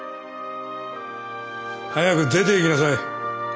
早く出ていきなさい。